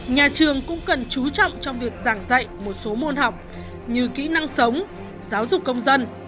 nhà trường cũng cần chú trọng trong việc giảng dạy một số môn học như kỹ năng sống giáo dục công dân